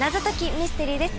ミステリーです。